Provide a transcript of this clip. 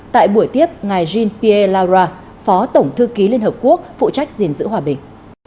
tại buổi tiếp ngài jean pierre lara phó tổng thư ký liên hợp quốc phụ trách gìn giữ hòa bình